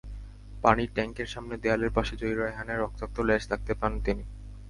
পানির ট্যাংকের সামনে দেয়ালের পাশে জহির রায়হানের রক্তাক্ত লাশ দেখতে পান তিনি।